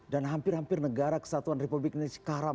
dan hampir hampir negara kesatuan republik indonesia sekarang